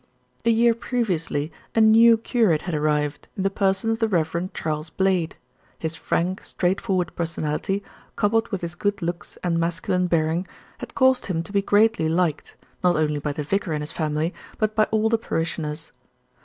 A year previously a new curate had arrived in the person of the Rev. Charles Blade. His frank, straightforward personality, coupled with his good looks and masculine bearing, had caused him to be greatly liked, not only by the vicar and his family, but by all the parishioners.